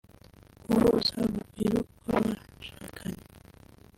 guhuza urugwiro kw’abashakanye